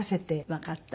わかった。